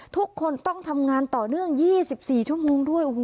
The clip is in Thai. ทุกคนต้องทำงานต่อเนื่อง๒๔ชั่วโมงด้วย